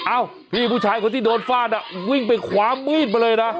อ้าวพี่ผู้ชายคนที่โดนฟาดอ่ะวิ่งไปคว้ามีดมาเลยนะ